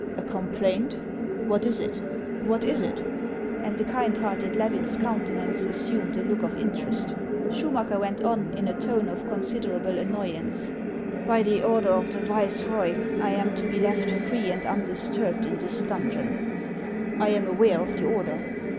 " A complaint '. What is it ? what is it ?" And the kind hearted Levin's countenance assumed a look of interest. Schumacker went on, in a tone of considerable annoy ance :" By order of the viceroy I am to be left free and undisturbed in this donjon." " I am aware of the order."